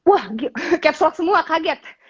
wah caps lock semua kaget